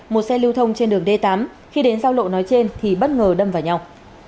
một xe lưu thông trên đường d tám khi đến giao lộ nói trên thì bất ngờ đâm vào nhau